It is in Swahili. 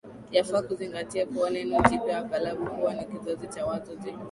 Yafaa kuzingatia kuwa neno jipya aghlabu huwa ni kizazi cha wazo jipya